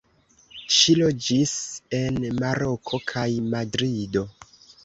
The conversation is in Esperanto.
Ŝi loĝis en Maroko kaj Madrido.